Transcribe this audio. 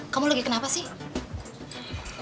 kamu lagi kenapa sih